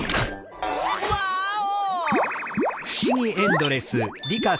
ワーオ！